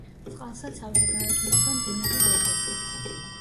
წყალსაცავზე გაედინება მდინარე ალგეთი.